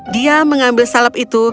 dia mengambil salep itu